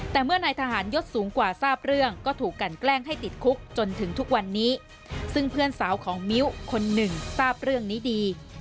แต่เมื่อนายทหารยศสูงกว่าทราบเรื่องก็ถูกกันแกล้งให้ติดคุกจนถึงทุกวันนี้ซึ่งเพื่อนสาวของมิ้วคนหนึ่งทราบเรื่องนี้ดี